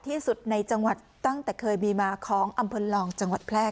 ที่สุดในจังหวัดตั้งแต่เคยมีมาของอำเภอลองจังหวัดแพร่